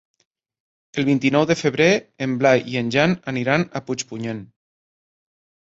El vint-i-nou de febrer en Blai i en Jan aniran a Puigpunyent.